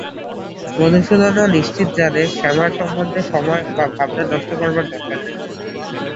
মধুসূদনও নিশ্চিত জানে শ্যামার সম্বন্ধে সময় বা ভাবনা নষ্ট করবার দরকার নেই।